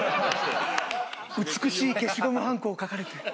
美しい消しゴムはんこを描かれて。